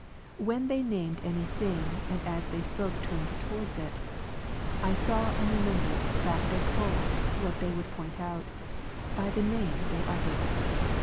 When they named any thing, and as they spoke turned towards it, I saw and remembered that they called what they would point out, by the name they uttered.